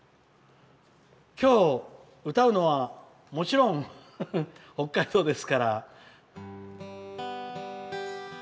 きょう、歌うのはもちろん北海道ですから。